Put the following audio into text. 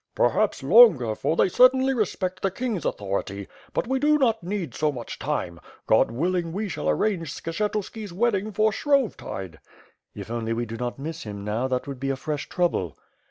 '' "Perhaps longer, for they certainly respect the king's au thority; but we do not need so much time. God willing, we shall arrange Skshetuski's wedding for Shrovetide." "If only we do not miss him now, that would be a fresh trouble."